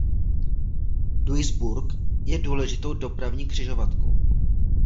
Duisburg je důležitou dopravní křižovatkou.